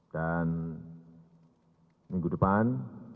dan minggu depan